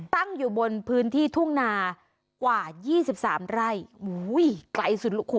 ตั้งอยู่บนพื้นที่ทุ่งนาว่า๒๓ไร่